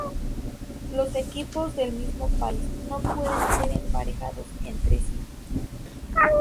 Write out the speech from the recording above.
Los equipos del mismo país no puedes ser emparejados entre sí.